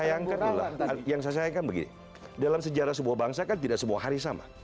dan yang saya sayangkan juga yang saya sayangkan begini dalam sejarah sebuah bangsa kan tidak sebuah hari sama